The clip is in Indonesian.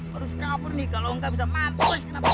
harus kabur ini kalau enggak bisa mampus kenapa bang